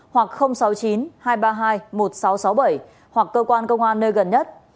hoặc sáu mươi chín hai trăm ba mươi hai một nghìn sáu trăm sáu mươi bảy hoặc cơ quan công an nơi gần nhất